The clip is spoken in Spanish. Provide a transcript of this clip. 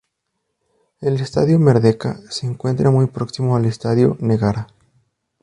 El "Stadium Merdeka" se encuentra muy próximo al Stadium Negara.